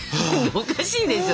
おかしいでしょ。